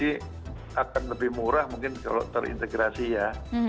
ini akan lebih murah mungkin kalau terintegrasi ya